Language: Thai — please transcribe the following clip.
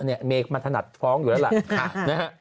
เนี่ยเมย์มาถนัดฟ้องอยู่แล้วล่ะ